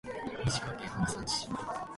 石川県白山市